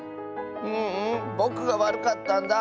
ううんぼくがわるかったんだ。